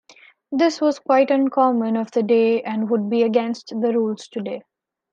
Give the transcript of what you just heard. This was quite uncommon of the day and would be against the rules today.